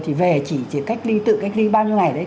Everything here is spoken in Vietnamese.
thì về chỉ cách ly tự cách ly bao nhiêu ngày đấy